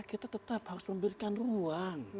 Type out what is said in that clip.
kita tetap harus memberikan ruang